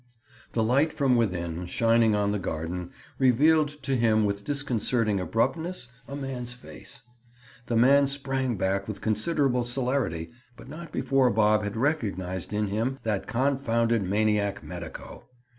The light from within, shining on the garden, revealed to him with disconcerting abruptness a man's face. The man sprang back with considerable celerity, but not before Bob had recognized in him that confounded maniac medico.